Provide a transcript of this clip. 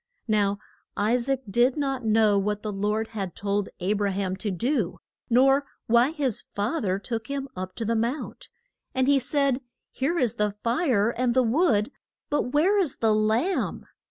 Now I saac did not know what the Lord had told A bra ham to do, nor why his fa ther took him up to the mount. And he said, Here is the fire and the wood, but where is the lamb?